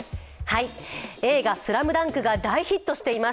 映画「ＳＬＡＭＤＵＮＫ」が大ヒットしています。